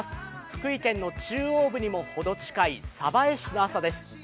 福井県の中央部にもほど近い鯖江市の朝です。